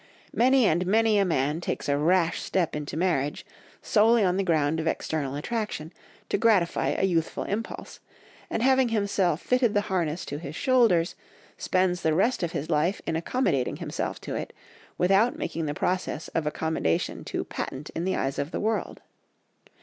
Many and many a man takes a rash step into marriage, solely on the ground of external attraction, to gratify a youthful impulse, and having himself fitted the harness to his shoulders, spends the rest of his life in accommodating himself to it, without making the process of accommodation too patent to the eyes of the world.